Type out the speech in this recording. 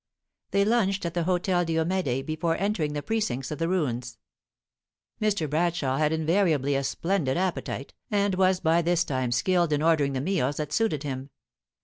They lunched at the Hotel Diomede before entering the precincts of the ruins. Mr. Bradshaw had invariably a splendid appetite, and was by this time skilled in ordering the meals that suited him.